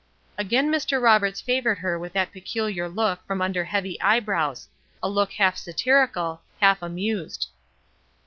Again Mr. Roberts favored her with that peculiar look from under heavy eyebrows a look half satirical, half amused.